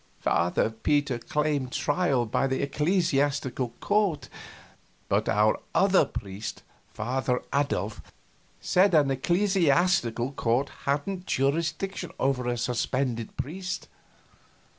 Father Peter claimed trial by the ecclesiastical court, but our other priest, Father Adolf, said an ecclesiastical court hadn't jurisdiction over a suspended priest.